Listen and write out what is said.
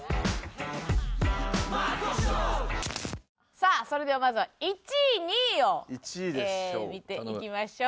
さあそれではまずは１位２位を見ていきましょう。